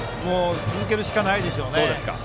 続けるしかないですね。